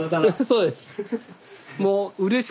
そうです。